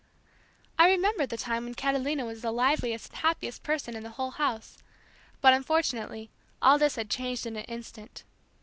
I remembered the time when Catalina was the liveliest and happiest person in the whole house, but unfortunately all this had changed in an instant.